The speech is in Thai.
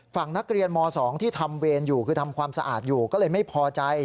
ฝั่งนักเรียนม๒ที่ทำเวรอยู่คือทำความสะอาดอยู่ก็เลยไม่พอใจ